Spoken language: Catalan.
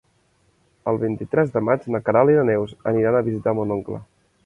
El vint-i-tres de maig na Queralt i na Neus aniran a visitar mon oncle.